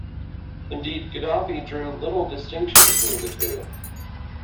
Indeed, Gaddafi drew little distinction between the two.